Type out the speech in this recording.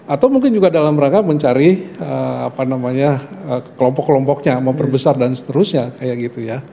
atau mungkin juga dalam rangka mencari kelompok kelompoknya memperbesar dan seterusnya kayak gitu ya